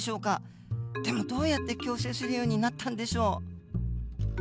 でもどうやって共生するようになったんでしょう。